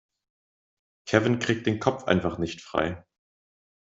Kevin kriegt den Kopf einfach nicht frei.